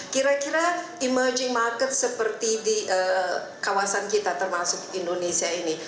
kira kira emerging market seperti di kawasan kita termasuk indonesia ini